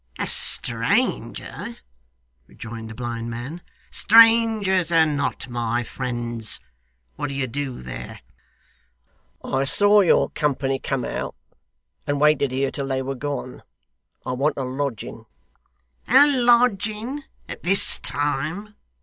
'A stranger!' rejoined the blind man. 'Strangers are not my friends. What do you do there?' 'I saw your company come out, and waited here till they were gone. I want a lodging.' 'A lodging at this time!